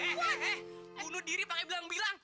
eh eh eh bunuh diri pake bilang bilang